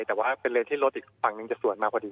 แต่ว่าเป็นเลนที่รถอีกฝั่งหนึ่งจะสวนมาพอดี